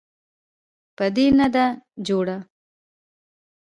په ده نه ده جوړه.